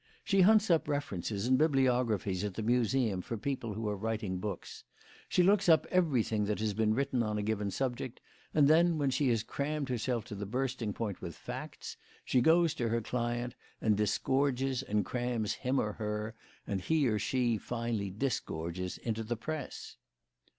She hunts up references and bibliographies at the Museum for people who are writing books. She looks up everything that has been written on a given subject, and then, when she has crammed herself to bursting point with facts, she goes to her client and disgorges and crams him or her, and he or she finally disgorges into the Press."